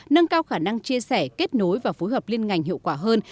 nâng cao khả năng chia sẻ kết nối và phối hợp liên ngành hiệu quả hơn